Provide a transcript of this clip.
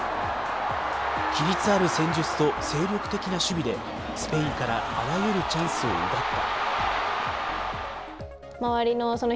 規律ある戦術と精力的な守備で、スペインからあらゆるチャンスを奪った。